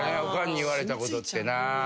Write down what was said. おかんに言われたことってな。